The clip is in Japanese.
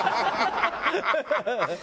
ハハハハ！